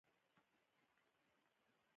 لیکوالانو د ډیزاین میتودونو یو لیست جوړ کړی.